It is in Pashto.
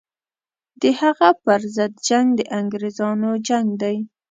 د هغه پر ضد جنګ د انګرېزانو جنګ دی.